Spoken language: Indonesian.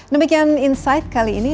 demikian insight kali ini